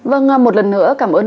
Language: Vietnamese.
vâng một lần nữa cảm ơn